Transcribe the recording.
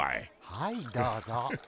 はいどうぞ。